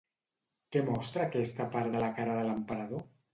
Què mostra aquesta part de la cara de l'emperador?